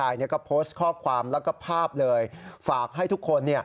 แล้วก็ภาพเลยฝากให้ทุกคน